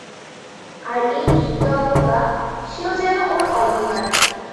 আর এই দৃপ্ত অবজ্ঞা, সেও যেন ওর অলংকার।